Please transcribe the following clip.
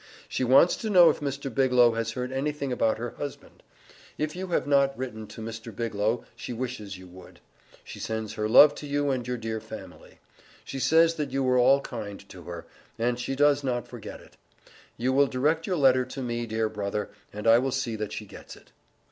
She wants to know if Mr. Biglow has heard anything about her husband. If you have not written to Mr. Biglow, she wishes you would. She sends her love to you and your dear family. She says that you were all kind to her, and she does not forget it. You will direct your letter to me, dear brother, and I will see that she gets it.